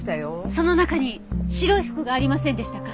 その中に白い服がありませんでしたか？